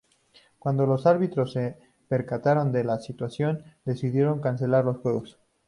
Cuando los árbitros se percataron de la situación decidieron cancelar los juegos.